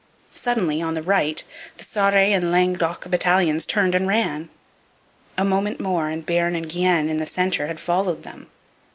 Suddenly, on the right, the Sarre and Languedoc battalions turned and ran. A moment more, and Bearn and Guienne, in the centre, had followed them.